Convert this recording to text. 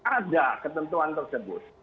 ada ketentuan tersebut